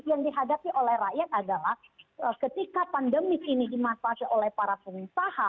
yang dihadapi oleh rakyat adalah ketika pandemi ini dimasak oleh para pengusaha